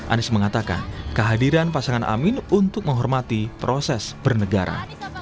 anies mengatakan kehadiran pasangan amin untuk menghormati proses bernegara